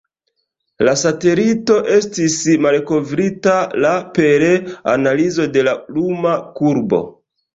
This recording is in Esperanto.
La satelito estis malkovrita la per analizo de la luma kurbo.